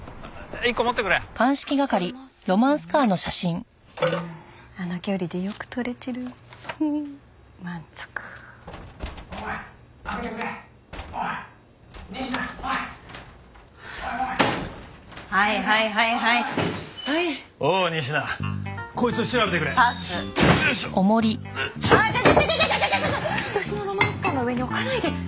いとしのロマンスカーの上に置かないで！